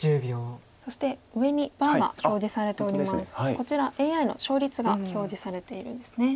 こちらＡＩの勝率が表示されているんですね。